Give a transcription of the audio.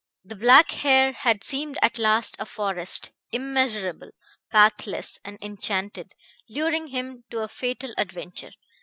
The black hair had seemed at last a forest, immeasurable, pathless and enchanted, luring him to a fatal adventure.